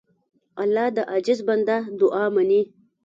الله د عاجز بنده دعا منې.